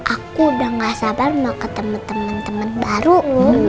aku udah gak sabar mau ke temen temen baru loh